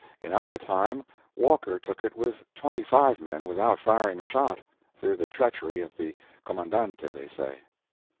In our time, Walker took it with 25 men, without firing a shot—through the treachery of the Commandante, they say.